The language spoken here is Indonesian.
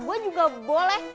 gue juga boleh